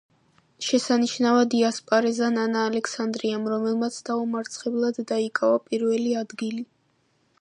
შესანიშნავად იასპარეზა ნანა ალექსანდრიამ, რომელმაც დაუმარცხებლად დაიკავა პირველი ადგილი.